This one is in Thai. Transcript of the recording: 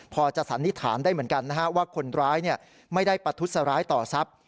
พอจะสันนิษฐานได้เหมือนกันว่าคนร้ายไม่ได้ประทุษร้ายต่อทรัพย์